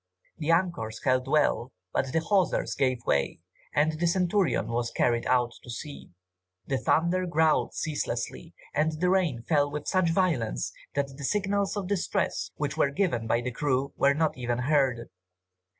The anchors held well, but the hawsers gave way, and the Centurion was carried out to sea. The thunder growled ceaselessly, and the rain fell with such violence, that the signals of distress which were given by the crew were not even heard.